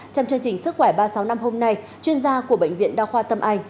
trong chương trình sức khỏe ba trăm sáu mươi năm hôm nay chuyên gia của bệnh viện đa khoa tâm anh